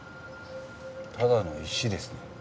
ただの石ですね。